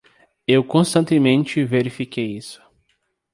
Eu constantemente verifiquei isso.